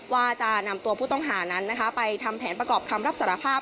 ว่าจะนำตัวผู้ต้องหานั้นไปทำแผนประกอบคำรับสารภาพ